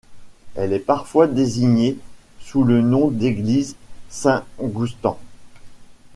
Elle est parfois désignée sous le nom déglise Saint-Goustan.